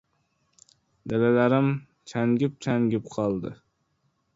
Dalalarim changib-changib qoldi.